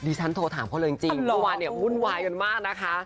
ฉันโทรถามเขาเลยจริงเมื่อวานเนี่ยวุ่นวายกันมากนะคะ